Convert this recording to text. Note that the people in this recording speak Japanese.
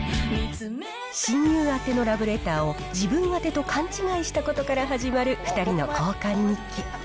親友宛てのラブレターを自分宛てと勘違いしたことから始まる、２人の交換日記。